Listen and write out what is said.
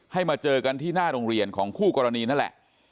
มาเจอกันที่หน้าโรงเรียนของคู่กรณีนั่นแหละ